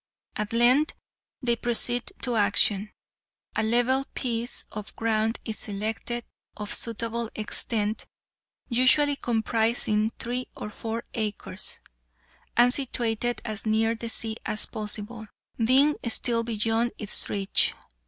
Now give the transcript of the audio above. At length they proceed to action. A level piece of ground is selected, of suitable extent, usually comprising three or four acres, and situated as near the sea as possible, being still beyond its reach.